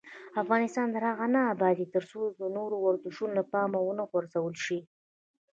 افغانستان تر هغو نه ابادیږي، ترڅو نور ورزشونه له پامه ونه غورځول شي.